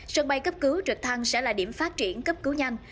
sân bay cấp cứu trực thăng sẽ là điểm phát triển cấp cứu nhanh